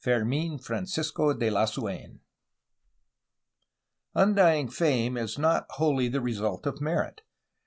CHAPTER XXIX FEEMIN FRANCISCO DE LASUEN Undying fame is not wholly the result of merit.